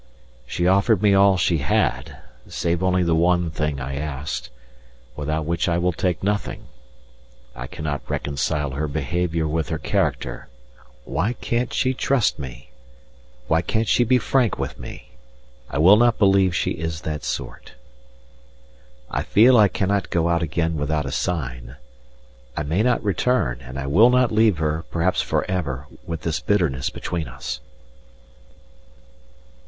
She offered me all she had, save only the one thing I asked, without which I will take nothing. I cannot reconcile her behaviour with her character; why can't she trust me? why can't she be frank with me? I will not believe she is that sort. I feel I cannot go out again without a sign I may not return, and I will not leave her, perhaps for ever, with this bitterness between us.